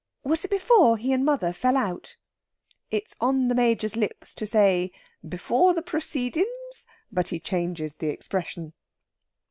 "Was it before he and mother fell out?" It is on the Major's lips to say, "Before the proceedings?" but he changes the expression.